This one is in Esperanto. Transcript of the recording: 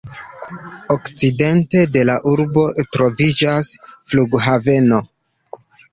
Okcidente de la urbo troviĝas flughaveno.